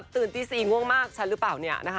ตื่นตี๔ง่วงมากฉันรึเปล่าเนี่ย